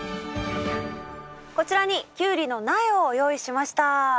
こちらにキュウリの苗を用意しました。